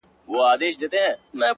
o شراب لس خُمه راکړه، غم په سېلاب راکه،